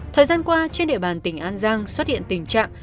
thời gian qua trên địa bàn tỉnh an giang xuất hiện tình trạng